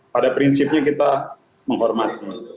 pada prinsipnya kita menghormati